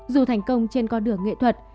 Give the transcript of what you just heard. dù thành công trên con đường nghệ thuật